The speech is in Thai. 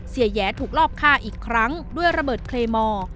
แหยถูกรอบฆ่าอีกครั้งด้วยระเบิดเคลมอร์